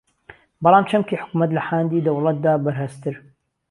بەڵام چەمکی حکوومەت لە حاندی دەوڵەتدا بەرھەستتر